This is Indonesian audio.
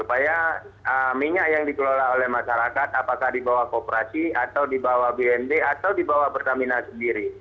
supaya minyak yang dikelola oleh masyarakat apakah dibawa kooperasi atau dibawa bnd atau dibawa pertamina sendiri